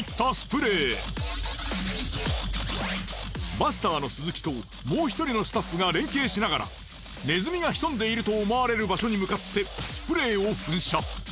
バスターの鈴木ともう１人のスタッフが連携しながらネズミが潜んでいると思われる場所に向かってスプレーを噴射。